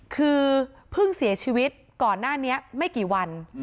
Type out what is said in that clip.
คือเพิ่งเสียชีวิตก่อนหน้านี้ไม่กี่วัน